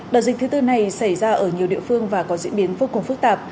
đợt dịch thứ tư này xảy ra ở nhiều địa phương và có diễn biến vô cùng phức tạp